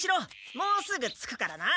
もうすぐ着くからな。